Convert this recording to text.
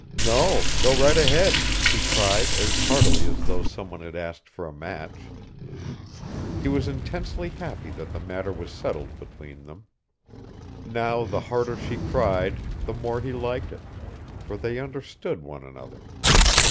"No! Go right ahead!" he cried as heartily as though some one had asked for a match. He was intensely happy that the matter was settled between them. Now the harder she cried the more he liked it, for they understood one another.